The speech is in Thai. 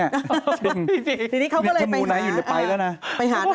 ตอนนี้เขาก็เลยไปหา